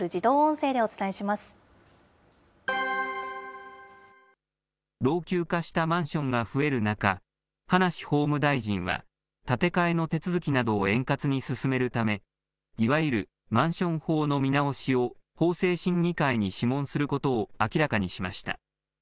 出かける前に押さえておきたいニュースを、ＡＩによる自動音声で老朽化したマンションが増える中、葉梨法務大臣は、建て替えの手続きなどを円滑に進めるため、いわゆるマンション法の見直しを法制審議会に諮問することを明らかにしました。